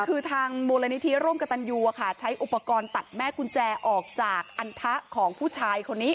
คือทางมูลนิธิร่วมกับตันยูใช้อุปกรณ์ตัดแม่กุญแจออกจากอันทะของผู้ชายคนนี้